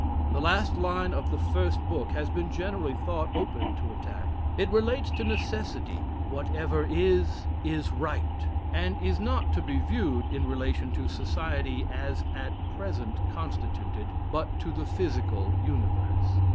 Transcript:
The last line of the first book has been generally thought open to attack. It relates to necessity "Whatever is, is right" and is not to be viewed in relation to society as at present constituted, but to the physical universe.